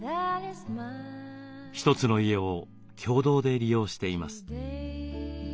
一つの家を共同で利用しています。